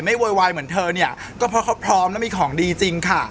โวยวายเหมือนเธอเนี่ยก็เพราะเขาพร้อมแล้วมีของดีจริงค่ะ